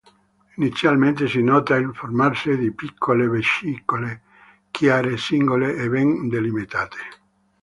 Inizialmente si nota il formarsi di piccole vescicole chiare, singole e ben delimitate.